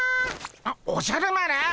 あっおじゃる丸！